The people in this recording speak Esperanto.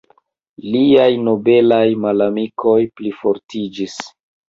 Liaj nobelaj malamikoj plifortiĝis.